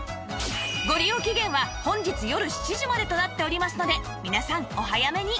ご利用期限は本日よる７時までとなっておりますので皆さんお早めに